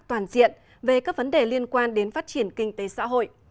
toàn diện về các vấn đề liên quan đến phát triển kinh tế xã hội